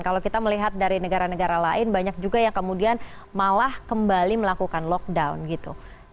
kalau kita melihat dari negara negara lain banyak juga yang kemudian malah kembali melakukan lockdown gitu